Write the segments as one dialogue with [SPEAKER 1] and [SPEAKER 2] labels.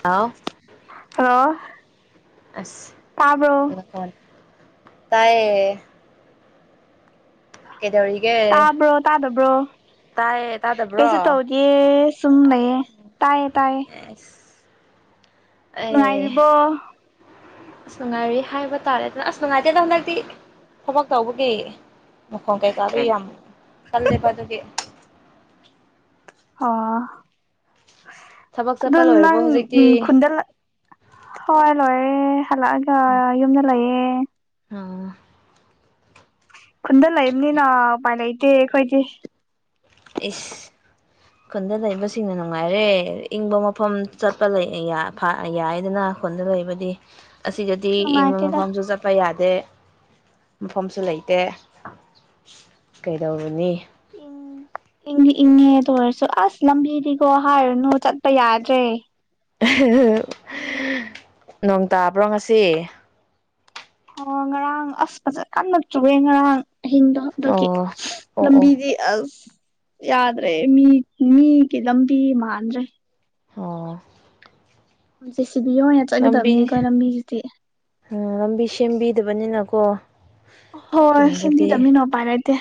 [SPEAKER 1] ꯍꯥꯎ
[SPEAKER 2] hello
[SPEAKER 1] ꯑꯁ
[SPEAKER 2] ꯇꯥꯕ꯭ꯔꯣ
[SPEAKER 1] ꯃꯈꯣꯟ ꯇꯥꯏꯌꯦ ꯀꯩꯗꯧꯔꯤꯒꯦ
[SPEAKER 2] ꯇꯥꯕ꯭ꯔꯣ ꯇꯥꯗꯕ꯭ꯔꯣ
[SPEAKER 1] ꯇꯥꯏꯌꯦ ꯇꯥꯗꯕ꯭ꯔꯣ
[SPEAKER 2] ꯌꯦ ꯁꯨꯝ ꯂꯩꯌꯦ ꯇꯥꯏꯌꯦ ꯇꯥꯏꯌꯦ
[SPEAKER 1] ꯑꯩꯁ
[SPEAKER 2] ꯅꯨꯡꯉꯥꯏꯔꯤꯕꯣ
[SPEAKER 1] ꯑꯩꯌꯩꯌꯩꯌꯦ ꯑꯁ ꯅꯨꯡꯉꯥꯏꯔꯤ ꯍꯥꯏꯕ ꯇꯥꯔꯦꯗꯅ ꯑꯁ ꯅꯨꯡꯉꯥꯏꯇꯦꯗ ꯍꯟꯗꯛꯇꯤ ꯊꯕꯛ ꯇꯧꯕꯒꯤ ꯃꯈꯣꯟ ꯀꯩꯀꯥꯗꯨ ꯌꯥꯝ ꯀꯜꯂꯦꯕ ꯑꯗꯨꯒꯤ
[SPEAKER 2] ꯑꯣ
[SPEAKER 1] ꯊꯕꯛ
[SPEAKER 2] ꯑꯗꯨ
[SPEAKER 1] ꯆꯠꯄ ꯂꯣꯏꯔꯕꯣ
[SPEAKER 2] ꯅꯪ
[SPEAKER 1] ꯍꯧꯖꯤꯛꯇꯤ
[SPEAKER 2] [unintelligible] ꯈꯨꯨꯟꯗꯂ ꯍꯣꯏ ꯂꯣꯏꯔꯦ ꯍꯜꯂꯛꯑꯒ ꯌꯨꯝꯗ ꯂꯩꯌꯦ
[SPEAKER 1] ꯑꯣ
[SPEAKER 2] ꯈꯨꯟꯗ ꯂꯩꯕꯅꯤꯅ ꯎꯄꯥꯏ ꯂꯩꯇꯦ ꯑꯩꯈꯣꯏꯗꯤ
[SPEAKER 1] ꯏꯁ ꯈꯨꯟꯗ ꯂꯩꯕꯁꯤꯡꯅ ꯅꯨꯡꯉꯥꯏꯔꯦ ꯏꯪꯕ ꯃꯐꯝ ꯆꯠꯄ ꯂꯩ [unintelligible] ꯐꯥ ꯌꯥꯏꯌꯦꯗꯅ ꯈꯨꯟꯗ ꯂꯩꯕꯗꯤ ꯑꯁꯤꯗꯗꯤ ꯏꯪꯕ
[SPEAKER 2] ꯅꯨꯡꯉꯥꯏꯇꯦꯗ
[SPEAKER 1] ꯃꯐꯝꯁꯨ ꯆꯠ ꯄ ꯌꯥꯗꯦ ꯃꯐꯝꯁꯨ ꯂꯩꯇꯦ ꯀꯩꯗꯧꯔꯨꯅꯤ
[SPEAKER 2] ꯏꯪ ꯏꯪꯗꯤ ꯏꯪꯉꯦ ꯑꯗꯨ ꯑꯣꯏꯔꯁꯨ ꯑꯁ ꯂꯝꯕꯤꯗꯤꯀꯣ ꯍꯥꯏꯔꯨꯅꯨ ꯆꯠꯄ ꯌꯥꯗ꯭ꯔꯦ
[SPEAKER 1] [unintelligible] ꯅꯣꯡ ꯇꯥꯕ꯭ꯔꯣ ꯉꯁꯤ
[SPEAKER 2] ꯑꯣ ꯉꯔꯥꯡ ꯑꯁ ꯐꯖ ꯀꯟꯅ ꯆꯨꯌꯦ ꯉꯔꯥꯡ ꯑꯍꯤꯡꯗꯣ ꯑꯗꯨꯒꯤ
[SPEAKER 1] ꯑꯣ ꯑꯣ ꯑꯣ
[SPEAKER 2] ꯂꯝꯕꯤꯗꯤ ꯑꯁ ꯌꯥꯗ꯭ꯔꯦ ꯃꯤ ꯃꯤꯒꯤ ꯂꯝꯕꯤ ꯃꯥꯟꯗ꯭ꯔꯦ
[SPEAKER 1] ꯑꯣ
[SPEAKER 2] ꯖꯦꯁꯤꯕꯤ ꯑꯣꯏꯅ ꯆꯠꯒꯗꯕꯅꯤ ꯈꯣꯏ ꯂꯝꯕꯤꯖꯤꯗꯤ
[SPEAKER 1] ꯎꯝ ꯂꯝꯕꯤ ꯁꯦꯝꯕꯤꯗꯕꯅꯤꯅꯀꯣ
[SPEAKER 2] ꯍꯣꯏ
[SPEAKER 1] ꯈꯨꯟꯗꯗꯤ
[SPEAKER 2] ꯁꯦꯝꯕꯤꯗꯝꯃꯤꯅ ꯎꯄꯥꯥꯏ ꯂꯩꯇꯦ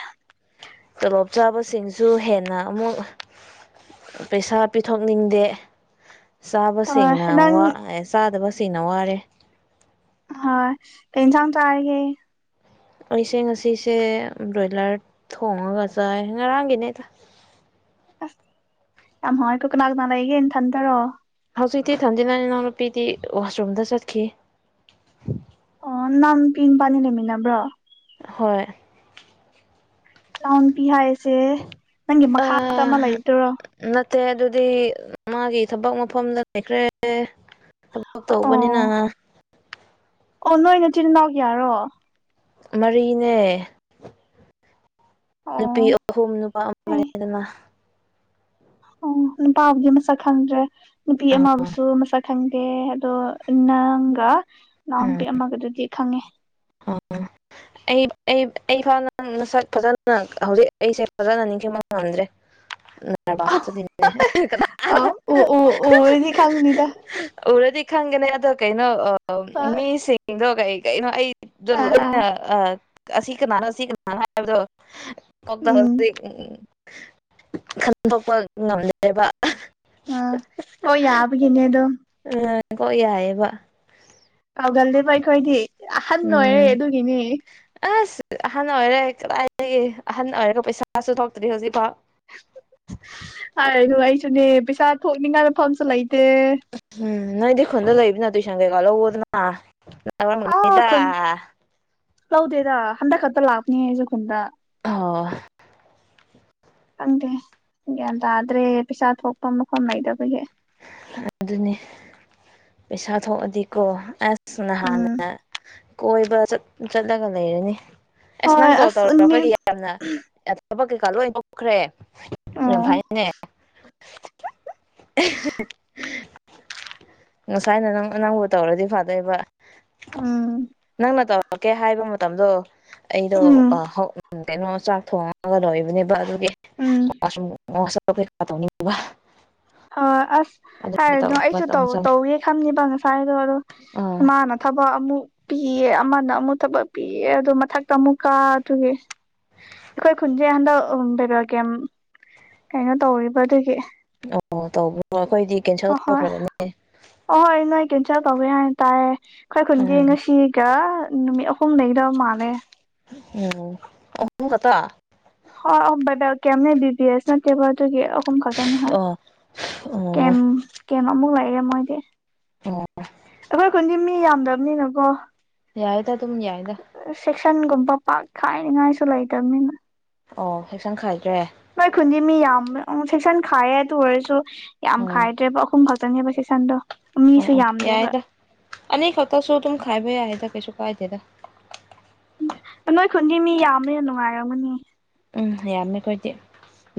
[SPEAKER 1] ꯇꯣꯂꯣꯞ ꯆꯥꯕꯁꯤꯡꯁꯨ ꯍꯦꯟꯅ ꯑꯃꯨꯛ ꯄꯩꯁꯥ ꯄꯤꯊꯣꯛꯅꯤꯡꯗꯦ
[SPEAKER 2] ꯍꯣꯏ
[SPEAKER 1] ꯆꯥꯕꯁꯤꯡꯅ
[SPEAKER 2] ꯅꯪ
[SPEAKER 1] ꯋꯥ-ꯑꯦ ꯆꯥꯗꯕꯁꯤꯡꯅ ꯋꯥꯔꯦ
[SPEAKER 2] ꯍꯣꯏ ꯀꯩ ꯏꯟꯁꯥꯡ ꯆꯥꯔꯒꯦ
[SPEAKER 1] ꯑꯩꯁꯦ ꯉꯁꯤꯁꯦ ꯕ꯭ꯔꯣꯏꯂꯔ ꯊꯣꯡꯉꯒ ꯆꯥꯏ ꯉꯔꯥꯡꯒꯤꯅꯤꯗ
[SPEAKER 2] ꯑꯁ ꯌꯥꯝ ꯍꯥꯎꯋꯦꯀꯣ ꯀꯅꯥ ꯀꯅꯥ ꯂꯩꯒꯦ ꯅꯊꯟꯇꯔꯣ
[SPEAKER 1] ꯍꯧꯖꯤꯛꯇꯤ ꯏꯊꯟꯗꯅꯤꯗ ꯏꯅꯥꯎ ꯅꯨꯄꯤꯗꯤ ꯋꯥꯁꯔꯨꯝꯗ ꯆꯠꯈꯤ
[SPEAKER 2] ꯑꯣ ꯅꯥꯎꯅꯨꯄꯤ ꯕꯥꯅꯤ ꯂꯩꯃꯤꯟꯅꯕ꯭ꯔꯣ
[SPEAKER 1] ꯍꯣꯏ
[SPEAKER 2] ꯅꯥꯎ ꯅꯨꯄꯤ ꯍꯥꯏꯁꯦ ꯅꯪꯒꯤ ꯃꯈꯥꯗ ꯑꯃ ꯂꯩꯕꯗꯨꯔꯣ
[SPEAKER 1] ꯅꯠꯇꯦ ꯑꯗꯨꯗꯤ ꯃꯥꯒꯤ ꯊꯕꯛ ꯃꯐꯝꯗ ꯂꯩꯈ꯭ꯔꯦ ꯊꯕꯛ
[SPEAKER 2] ꯑꯣ
[SPEAKER 1] ꯇꯧꯕꯅꯤꯅ
[SPEAKER 2] ꯑꯣ ꯅꯣꯏ ꯅꯆꯤꯜ ꯏꯅꯥꯎ ꯀ꯭ꯌꯥꯔꯣ
[SPEAKER 1] ꯃꯔꯤꯅꯦ ꯅꯨꯄꯤ
[SPEAKER 2] ꯑꯣ
[SPEAKER 1] ꯑꯍꯨꯝ ꯅꯨꯄꯥ
[SPEAKER 2] ꯑꯩ
[SPEAKER 1] ꯑꯃꯅꯦꯗꯅ
[SPEAKER 2] ꯑꯣ ꯅꯨꯄꯥꯕꯨꯗꯤ ꯃꯁꯛ ꯈꯪꯗ꯭ꯔꯦ ꯅꯨꯄꯤ
[SPEAKER 1] ꯑꯣ
[SPEAKER 2] ꯑꯃꯕꯨꯁꯨ ꯃꯁꯛ ꯈꯪꯗꯦ ꯑꯗꯣ ꯅꯪꯒ ꯅꯥꯎ
[SPEAKER 1] ꯎꯝ
[SPEAKER 2] ꯄꯤ ꯑꯃꯒꯗꯨꯗꯤ ꯈꯪꯉꯦ
[SPEAKER 1] ꯑꯣ
[SPEAKER 2] [unintelligible]
[SPEAKER 1] ꯑꯩ ꯑꯩ ꯐꯥꯅꯁꯛ ꯐꯖꯅ ꯍꯧꯖꯤꯛ ꯑꯩꯁꯦ ꯐꯖꯅ ꯅꯤꯡꯁꯤꯡꯕ ꯉꯝꯗ꯭ꯔꯦ
[SPEAKER 2] ꯑꯥꯎ ꯎ ꯎ ꯎꯔꯗꯤ ꯈꯪꯅꯤꯗ
[SPEAKER 1] [unintelligible] ꯎꯔꯗꯤ ꯈꯪꯒꯅꯤ ꯑꯗꯣ ꯀꯩꯅꯣ
[SPEAKER 2] ꯍꯣꯏ
[SPEAKER 1] ꯃꯤꯁꯤꯡꯗꯣ ꯀꯩ ꯀꯩꯅꯣ ꯑꯩ
[SPEAKER 2] ꯑꯥ ꯑꯥ
[SPEAKER 1] ꯑꯁꯤ ꯀꯅꯥꯅꯣ ꯑꯁꯤ ꯀꯅꯥꯅꯣ ꯍꯥꯏꯕꯗꯣ
[SPEAKER 2] ꯎꯝ
[SPEAKER 1] [unintelligible] ꯈꯟꯊꯣꯛꯄ ꯉꯝꯗꯦ
[SPEAKER 2] ꯑ ꯀꯣꯏ ꯌꯥꯕꯒꯤꯅꯦꯗꯣ
[SPEAKER 1] ꯎꯝ ꯌꯥꯑꯦꯕ
[SPEAKER 2] ꯀꯥꯎꯒꯜꯗꯤꯕ ꯑꯩꯈꯣꯏꯗꯤ ꯑꯍꯟ ꯑꯣꯏꯔꯦ ꯑꯗꯨꯒꯤꯅꯦ
[SPEAKER 1] ꯑꯍꯥꯟꯕ ꯑꯣꯏꯔꯦ ꯀꯗꯥꯏꯗꯒꯤ ꯑꯍꯟ ꯑꯣꯏꯔꯒ ꯄꯩꯁꯥꯁꯨ ꯊꯣꯛꯇ꯭ꯔꯤ ꯍꯧꯖꯤꯛꯐꯥꯎ
[SPEAKER 2] ꯍꯥꯏ ꯑꯗꯨ ꯑꯩꯁꯨꯅꯦ ꯄꯩꯁꯥ ꯊꯣꯛꯅꯤꯡꯉꯥꯏ ꯃꯐꯝꯁꯨ ꯂꯩꯇꯦ
[SPEAKER 1] ꯎꯝ ꯅꯣꯏꯗꯤ ꯈꯣꯟꯗ ꯂꯩꯕꯅꯤꯅ ꯇꯨꯏꯁꯟ ꯀꯩꯀꯥ ꯂꯧꯋꯣꯗꯅ
[SPEAKER 2] ꯑꯥ ꯈꯨꯟ
[SPEAKER 1] [unintelligible]
[SPEAKER 2] ꯂꯧꯗꯦꯗ ꯍꯟꯗꯛ ꯈꯛꯇ ꯂꯥꯛꯅꯤ ꯑꯩꯁꯨ ꯈꯨꯨꯟꯗ
[SPEAKER 1] ꯑꯣ
[SPEAKER 2] ꯈꯪꯗꯦ ꯒ꯭ꯌꯥꯟ ꯇꯥꯗ꯭ꯔꯦ ꯄꯩꯁꯥ ꯊꯣꯛꯄ ꯃꯐꯝ ꯂꯩꯇꯕꯒꯤ
[SPEAKER 1] ꯑꯗꯨꯅꯤ ꯄꯩꯁꯥ ꯊꯣꯛꯑꯗꯤꯀꯣ ꯑꯁ
[SPEAKER 2] ꯎꯝ
[SPEAKER 1] ꯅꯍꯥꯟꯅ ꯀꯣꯏꯕ ꯆꯠ ꯆꯠꯂꯒ ꯂꯩꯔꯅꯤ ꯑꯁ ꯅꯪ
[SPEAKER 2] ꯍꯣꯏ
[SPEAKER 1] ꯀꯣꯜ
[SPEAKER 2] ꯃꯤ
[SPEAKER 1] ꯇꯧꯔꯛꯄꯒꯤ ꯌꯥꯝꯅ ꯊꯕꯛ ꯀꯩꯀꯥ ꯂꯣꯏꯅ ꯇꯣꯛꯈ꯭ꯔꯦ ꯌꯥꯝ
[SPEAKER 2] ꯑꯣ
[SPEAKER 1] ꯐꯩꯅꯦ [unintelligible] ꯉꯁꯥꯏꯅ ꯅꯪ ꯑꯅꯧꯕ ꯇꯧꯔꯗꯤ ꯐꯥꯗꯣꯏꯕ
[SPEAKER 2] ꯎꯝ
[SPEAKER 1] ꯅꯪꯅ ꯇꯧꯔꯛꯀꯦ ꯍꯥꯏꯕ ꯃꯇꯝꯗꯣ ꯑꯩꯗꯣ ꯑ
[SPEAKER 2] ꯎꯝ
[SPEAKER 1] ꯍꯧ ꯀꯩꯅꯣ ꯆꯥꯛ ꯊꯣꯡꯉꯒ ꯂꯣꯏꯕꯅꯦꯕ ꯑꯗꯨꯒꯤ
[SPEAKER 2] ꯎꯝ
[SPEAKER 1] ꯋꯥꯁꯔꯨꯝ ꯋꯥꯁ ꯀꯩꯀꯥ ꯇꯧꯅꯤꯡꯕ
[SPEAKER 2] ꯍꯣꯏ ꯑꯁ
[SPEAKER 1] ꯑꯗꯨꯒꯤ
[SPEAKER 2] ꯍꯥꯏꯔꯅꯣ ꯑꯩꯁꯨ
[SPEAKER 1] ꯇꯧꯔꯒ
[SPEAKER 2] ꯇꯧ
[SPEAKER 1] ꯑꯃꯨꯛ ꯆꯪꯉꯦ
[SPEAKER 2] ꯇꯧꯒꯦ ꯈꯟꯅꯤꯕ ꯉꯁꯥꯏꯗꯣ ꯑꯗꯣ
[SPEAKER 1] ꯑꯥ
[SPEAKER 2] ꯏꯃꯥꯅ ꯊꯕꯛ ꯑꯃꯨꯛ ꯄꯤꯌꯦ ꯑꯃꯅ ꯑꯃꯨꯛ ꯊꯕꯛ ꯄꯤꯌꯦ ꯑꯗꯨ ꯃꯊꯛꯇ ꯑꯃꯨꯛꯀꯥ ꯑꯗꯨꯒꯤ ꯑꯩꯈꯣꯏ ꯈꯨꯟꯁꯦ ꯍꯟꯗꯛ ꯑꯝ ꯚꯦꯔꯔ ꯀꯦꯝ ꯀꯩꯅꯣ ꯇꯧꯔꯤꯕ ꯑꯗꯨꯒꯤ
[SPEAKER 1] ꯑꯣ ꯇꯧꯕ꯭ꯔꯣ ꯑꯩꯈꯣꯏꯗꯤ ꯀꯦꯟꯁꯦꯜ
[SPEAKER 2] ꯑꯣꯍꯣꯏ
[SPEAKER 1] ꯇꯧꯈ꯭ꯔꯕꯅꯤ
[SPEAKER 2] ꯑꯍꯣꯏ ꯅꯣꯏ ꯀꯦꯟꯁꯦꯜ ꯇꯧꯋꯦ ꯍꯥꯏꯅ ꯇꯥꯔꯦ ꯑꯩꯈꯣꯏ ꯈꯨꯟꯗꯤ
[SPEAKER 1] ꯎꯝ
[SPEAKER 2] ꯉꯁꯤ ꯀꯥ ꯅꯨꯃꯤꯠ ꯑꯍꯨꯝ ꯂꯩꯒꯗꯕ ꯃꯥꯜꯂꯦ
[SPEAKER 1] ꯎꯝ ꯑꯍꯨꯝ ꯈꯛꯇ
[SPEAKER 2] ꯍꯣꯏ ꯑꯍꯨꯝ ꯕꯥꯏꯕꯦꯜ ꯀꯦꯝꯅꯦ ꯕꯤ ꯕꯤ ꯑꯁ ꯅꯠꯇꯦꯕ ꯑꯗꯨꯒꯤ ꯑꯍꯨꯝ ꯈꯛ ꯇꯅꯤꯍꯥ
[SPEAKER 1] ꯑꯣ ꯑꯣ
[SPEAKER 2] ꯑꯦꯝ ꯀꯦꯝ ꯑꯃꯨꯛ ꯂꯩꯔꯦ ꯃꯣꯏꯗꯤ
[SPEAKER 1] ꯑꯣ
[SPEAKER 2] ꯑꯩꯈꯣꯏ ꯈꯨꯟꯗꯤ ꯃꯤ ꯌꯥꯝꯗꯕꯅꯤꯅꯀꯣ
[SPEAKER 1] ꯌꯥꯏꯗ ꯑꯗꯨꯝ ꯌꯥꯏꯗ
[SPEAKER 2] ꯁꯦꯛꯁꯟꯒꯨꯝꯕ ꯄꯥꯛ ꯈꯥꯏꯅꯤꯉꯥꯏꯁꯨ ꯂꯩꯇꯕꯅꯤꯅ
[SPEAKER 1] ꯑꯣ ꯁ‌ꯦꯛꯁꯟ ꯈꯥꯏꯗ꯭ꯔꯦ
[SPEAKER 2] ꯅ‌ꯣꯏ ꯈꯨꯟꯗꯤ ꯃꯤ ꯌꯥꯝ ꯑꯣ ꯁꯦꯛꯁꯟ ꯈꯥꯏꯌꯦ ꯑꯗꯨ ꯑꯣꯏꯔꯁꯨ ꯌꯥꯝ
[SPEAKER 1] ꯎꯝ
[SPEAKER 2] ꯈꯥꯏꯗ꯭ꯔꯦꯕ ꯑꯍꯨꯝ ꯈꯛ ꯇꯅ‌ꯦꯕ ꯁ‌ꯦꯛꯁꯟꯗ‌ꯣ
[SPEAKER 1] ꯑꯣ ꯑꯣ ꯌꯥꯏꯗ ꯑꯅꯤ ꯈꯛꯇꯁꯨ ꯑꯗꯨꯝ ꯈꯥꯏꯕ ꯌꯥꯏꯗ ꯀꯩꯁꯨ ꯀꯥꯏꯗꯦꯗ
[SPEAKER 2] ꯅꯣꯏ ꯈꯨꯟꯗꯤ ꯃꯤ ꯌꯥꯝꯕꯅꯤꯅ ꯅꯨꯡꯉꯥꯏꯔꯝꯒꯅꯤ
[SPEAKER 1] ꯎꯝ ꯌꯥꯝꯃꯦ ꯑꯩꯈꯣꯏꯗꯤ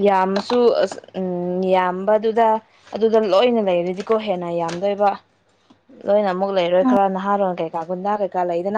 [SPEAKER 1] ꯌꯥꯝꯃꯁꯨ ꯑꯁ ꯎꯝ ꯌꯥꯝꯕꯗꯨꯗ ꯑꯗꯨꯗ ꯂꯣꯏꯅ ꯂꯩꯔꯗꯤꯀꯣ ꯍꯦꯟꯅ ꯌꯥꯝꯗꯣꯏꯕ ꯂꯣꯏꯅ ꯑꯃꯨꯛ ꯂꯩꯔꯣꯏ ꯈꯔ ꯅꯍꯥꯔꯣꯟ ꯀꯩꯀꯥ ꯒꯨꯟꯗꯥ ꯀꯩꯀꯥ ꯂꯩꯗꯅ